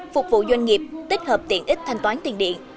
phục vụ doanh nghiệp tích hợp tiện ích thanh toán tiền điện